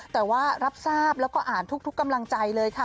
แต่ว่ารับทราบแล้วก็อ่านทุกกำลังใจเลยค่ะ